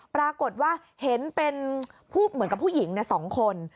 ปรากฏว่าเห็นเป็นผู้เหมือนกับผู้หญิง๒คน